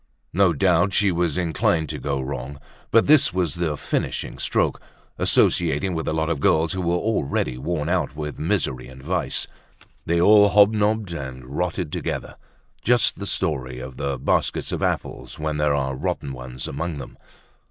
No doubt she was already inclined to go wrong. But this was the finishing stroke—associating with a lot of girls who were already worn out with misery and vice. They all hobnobbed and rotted together, just the story of the baskets of apples when there are rotten ones among them.